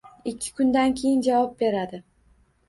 Ikki kundan keyin javob beradi.